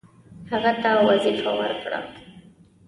هغه ته وظیفه ورکړه.